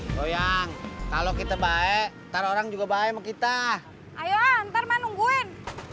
doyang kalau kita baik taruh orang juga baik kita ayo antar menungguin